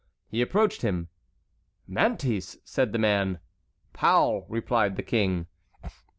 He approached him. "Mantes!" said the man. "Pau!" replied the king.